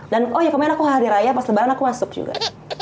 dan oh ya kemarin aku hari raya pas lebaran aku masuk juga